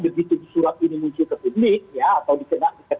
begitu surat ini muncul ke publik